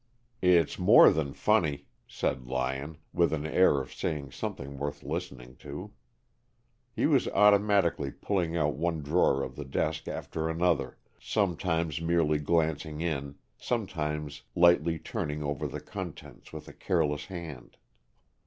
"It's more than funny," said Lyon, with an air of saying something worth listening to. He was automatically pulling out one drawer of the desk after another, sometimes merely glancing in, sometimes lightly turning over the contents with a careless hand.